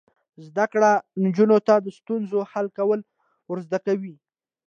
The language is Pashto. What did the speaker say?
زده کړه نجونو ته د ستونزو حل کول ور زده کوي.